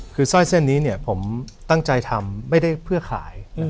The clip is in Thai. คือสร้อยเส้นนี้เนี่ยผมตั้งใจทำไม่ได้เพื่อขาย